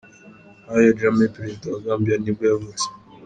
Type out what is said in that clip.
Yahya Jammeh, perezida wa Gambia nibwo yavutse.